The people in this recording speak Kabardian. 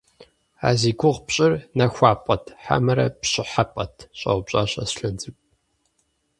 - А зи гугъу пщӏыр нэхуапӏэт хьэмэрэ пщӏыхьэпӏэт? – щӏэупщӏащ Аслъэн цӏыкӏу.